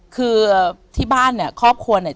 คือที่บ้านเนี่ยครอบครัวเนี่ย